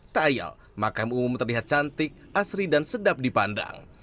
tak ayal makam umum terlihat cantik asri dan sedap dipandang